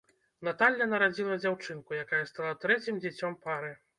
Наталля нарадзіла дзяўчынку, якая стала трэцім дзіцём пары.